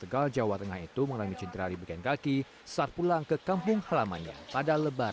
diminta untuk mendatangi puskesmas dan posek gambir